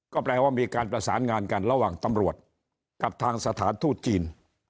ก็แปลว่ามีการประสานงานกันระหว่างตำรวจกับทางสถานทูตจีน